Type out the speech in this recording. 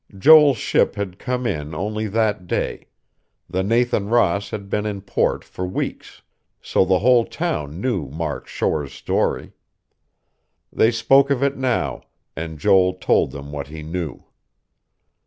Joel's ship had come in only that day; the Nathan Ross had been in port for weeks. So the whole town knew Mark Shore's story. They spoke of it now, and Joel told them what he knew....